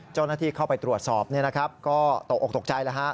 เจ้าหน้าที่เข้าไปตรวจสอบก็ตกออกตกใจแล้วฮะ